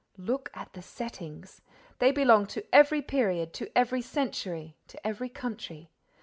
Look at the settings. They belong to every period, to every century, to every country.